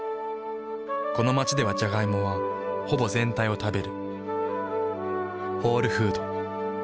この街ではジャガイモはほぼ全体を食べる。